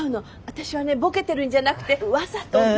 私はねボケてるんじゃなくてわざとね。